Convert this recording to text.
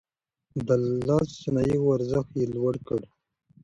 د لاس صنايعو ارزښت يې لوړ کړ.